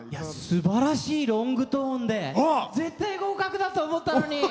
すばらしいロングトーンで絶対、合格だと思ったのに！